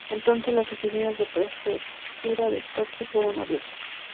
Entonces, las oficinas de la prefectura de Tokio fueron abiertas.